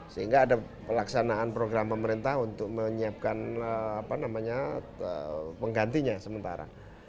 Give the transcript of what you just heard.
sehingga ada pelaksanaan program pemerintah untuk menyiapkan penggantinya sementara